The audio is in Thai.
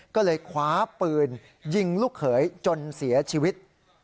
ก็เลยคว้าปืนยิงลูกเขยจนเสียชีวิต